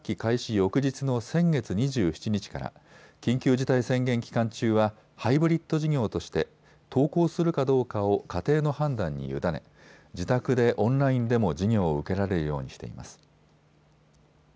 翌日の先月２７日から緊急事態宣言期間中はハイブリッド授業として登校するかどうかを家庭の判断に委ね自宅でオンラインでも授業を受けられるようにしています。